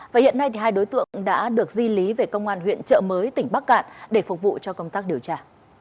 và hiện nay hai đối tượng đã được di lý về công an huyện trợ mới tỉnh bắc cạn để phục vụ cho công tác điều tra